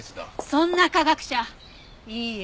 そんな科学者いいえ